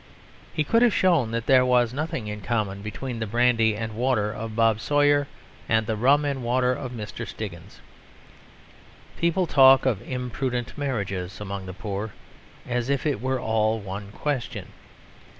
He could have shown that there was nothing in common between the brandy and water of Bob Sawyer and the rum and water of Mr. Stiggins. People talk of imprudent marriages among the poor, as if it were all one question.